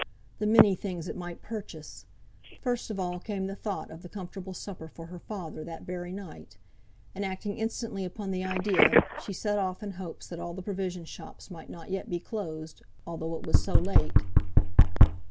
The many things it might purchase! First of all came the thought of a comfortable supper for her father that very night; and acting instantly upon the idea, she set off in hopes that all the provision shops might not yet be closed, although it was so late.